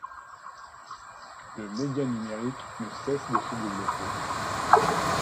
Le média numerique ne cesse de se développer.